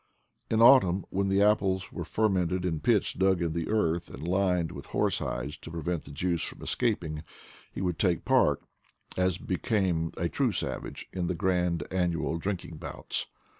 In autumn, when the apples were fer mented in pits dug in the earth and lined with horse hides to prevent the juice from escaping, he would take part, as became a true savage, in the grand annual drinking bouts.